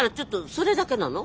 それだけなの？